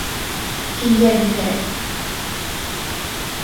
Кинйәбикә: